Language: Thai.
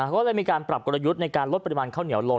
ก็เลยมีการปรับกลยุทธ์ในการลดปริมาณข้าวเหนียวลง